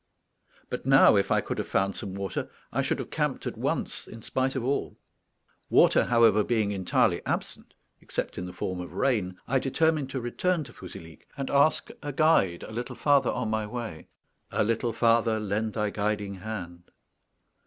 But now, if I could have found some water, I should have camped at once in spite of all. Water, however, being entirely absent, except in the form of rain, I determined to return to Fouzilhic, and ask a guide a little farther on my way "a little farther lend thy guiding hand."